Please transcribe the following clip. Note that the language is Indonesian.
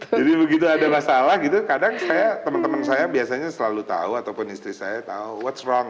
jadi begitu ada masalah kadang teman teman saya biasanya selalu tahu ataupun istri saya tahu what's wrong